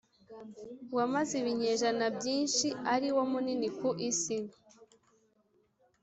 wamaze ibinyejana byinshi ari wo munini ku isi